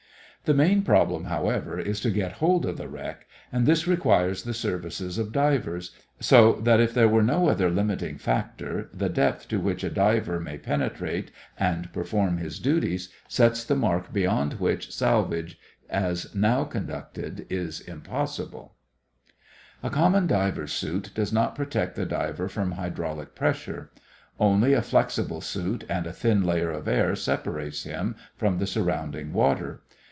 The main problem, however, is to get hold of the wreck and this requires the services of divers, so that if there were no other limiting factor, the depth to which a diver may penetrate and perform his duties sets the mark beyond which salvage as now conducted is impossible. [Illustration: (C) International Film Service The Diving Sphere built for Deep Sea Salvage Operations] A common diver's suit does not protect the diver from hydraulic pressure. Only a flexible suit and a thin layer of air separates him from the surrounding water.